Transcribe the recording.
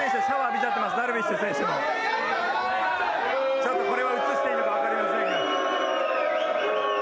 ちょっとこれは映していいのかわかりませんが。